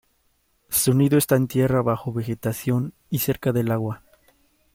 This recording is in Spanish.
Su nido está en tierra bajo vegetación, y cerca del agua.